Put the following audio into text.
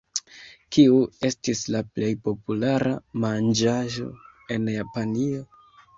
Kiu estas la plej populara manĝaĵo en Japanio?